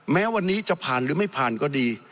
แม้วันนี้จะผ่านหรือไม่ผ่านก็ดี